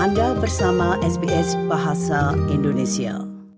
anda bersama sbs bahasa indonesia